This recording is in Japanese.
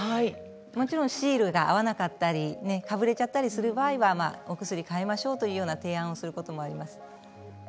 もちろんシールが合わなかったりかぶれてしまったりする場合はお薬を変えましょうっていう提案をすることもあります。